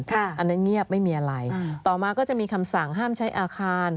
อันนั้นเงียบไม่มีอะไรต่อมาก็จะมีคำสั่งห้ามใช้อาคาร